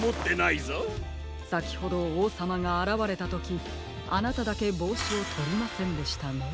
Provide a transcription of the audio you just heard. さきほどおうさまがあらわれたときあなただけぼうしをとりませんでしたね。